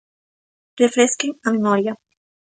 Refresquen a memoria.